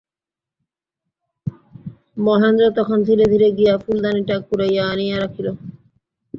মহেন্দ্র তখন ধীরে ধীরে গিয়া ফুলদানিটা কুড়াইয়া আনিয়া রাখিল।